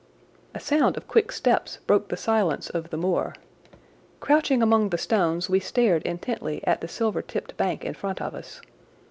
A sound of quick steps broke the silence of the moor. Crouching among the stones we stared intently at the silver tipped bank in front of us.